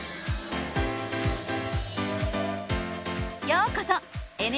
ようこそ！